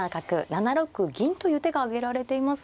７六銀という手が挙げられていますが。